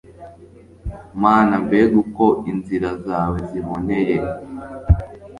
mana, mbega uko inzira zawe ziboneye